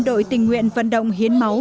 đội tình nguyện vận động hiến máu